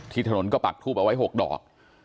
ถนนก็ปักทูบเอาไว้๖ดอก